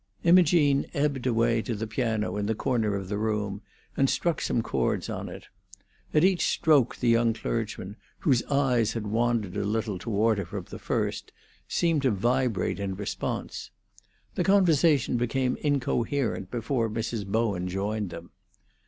Imogene ebbed away to the piano in the corner of the room, and struck some chords on it. At each stroke the young clergyman, whose eyes had wandered a little toward her from the first, seemed to vibrate in response. The conversation became incoherent before Mrs. Bowen joined them.